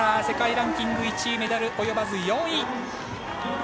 世界ランキング１位メダル及ばず４位。